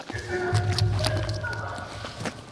تاسې باید د ټولنې جوړښت ته پام وکړئ.